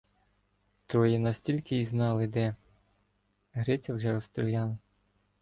Троє нас тільки й знали де — Гриця вже розстріляли.